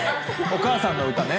お母さんの歌ね。